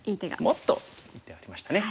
もっといい手ありましたね。